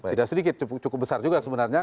tidak sedikit cukup besar juga sebenarnya